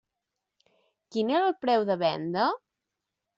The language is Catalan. Quin era el preu de venda?